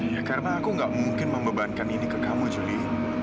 ya karena aku gak mungkin membebankan ini ke kamu juli